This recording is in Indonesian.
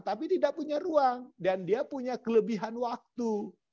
tapi tidak punya ruang dan dia punya kelebihan waktu